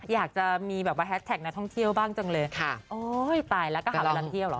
อยากจะมีแฮชแท็กดาวินักท่องเที่ยวบ้างจังเลยโอ้ยตายแล้วก็หาเวลาเที่ยวหรอ